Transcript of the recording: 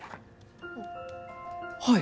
あっはい。